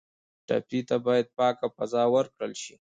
ټپي ته باید پاکه فضا ورکړل شي.